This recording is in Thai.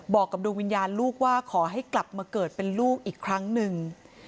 บอกกับดวงวิญญาณลูกว่าขอให้กลับมาเกิดเป็นลูกอีกครั้งหนึ่ง